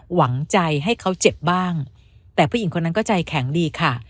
หวังใจให้เขาเจ็บบ้างแต่ผู้หญิงคนนั้นก็ใจแข็งดีค่ะ